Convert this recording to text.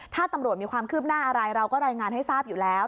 ถ้าตำรวจมีความคืบหน้าอะไรเราก็รายงานให้ทราบอยู่แล้ว